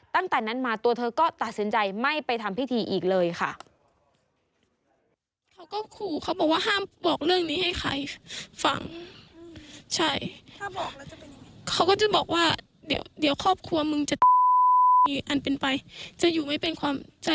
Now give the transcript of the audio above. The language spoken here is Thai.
ตั้งแต่นั้นมาตัวเธอก็ตัดสินใจไม่ไปทำพิธีอีกเลยค่ะ